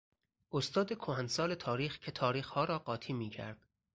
استاد کهنسال تاریخ که تاریخها را قاتی میکرد